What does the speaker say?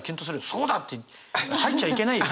「そうだ！」って入っちゃいけない。